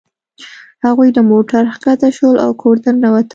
هغوی له موټر ښکته شول او کور ته ننوتل